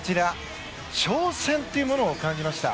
挑戦というものを感じました。